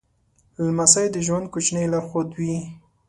لمسی د ژوند کوچنی لارښود وي.